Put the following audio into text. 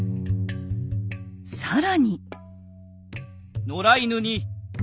更に。